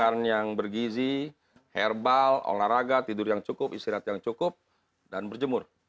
makan yang bergizi herbal olahraga tidur yang cukup istirahat yang cukup dan berjemur